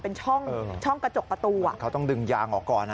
เป็นช่องช่องกระจกประตูอ่ะเขาต้องดึงยางออกก่อนอ่ะ